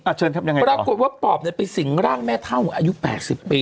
อ่ะเชิญทำอย่างไรต่อปรากฏว่าปอบเนี่ยไปสิงร่างแม่เท่าอยู่อายุ๘๐ปี